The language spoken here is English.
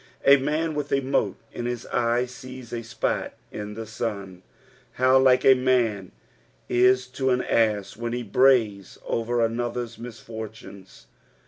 A man with a mote in his eye sees a spot in the sun. How like a man is to an ass when li» brays over another's misfortunes